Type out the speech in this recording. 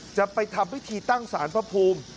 จะไปทำพิธีตั้งสารพระภูมิ